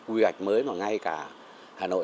quy hoạch mới mà ngay cả hà nội